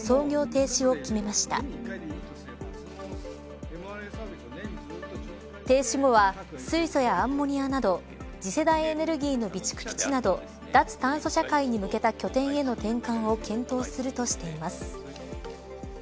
停止後は水素やアンモニアなど次世代エネルギーの備蓄基地など脱炭素社会に向けた拠点への転換を検討するとしています。